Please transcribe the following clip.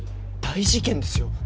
大事件ですよ。